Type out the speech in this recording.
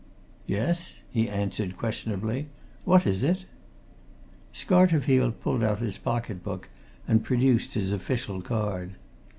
"Yes?" he answered questionably. "What is it?" Scarterfield pulled out his pocket book and produced his official card.